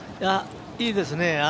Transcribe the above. いいですね。